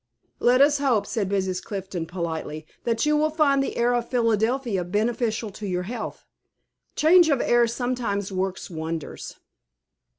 "Let us hope," said Mrs. Clifton, politely, "that you will find the air of Philadelphia beneficial to your health. Change of air sometimes works wonders."